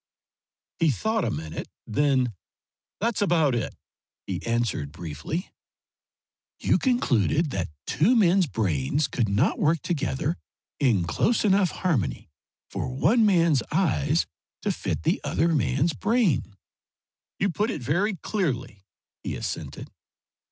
He thought a minute. Then, "That's about it," he answered briefly. "You concluded that two men's brains could not work together in close enough harmony for one man's eyes to fit the other man's brain." "You put it very clearly," he assented.